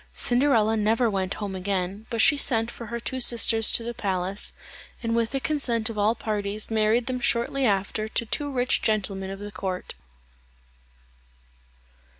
Cinderella never went home again, but she sent for her two sisters to the palace, and with the consent of all parties married them shortly after to two rich gentlemen of the court.